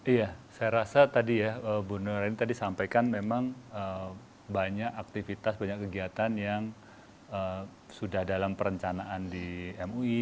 iya saya rasa tadi ya bu nur ini tadi sampaikan memang banyak aktivitas banyak kegiatan yang sudah dalam perencanaan di mui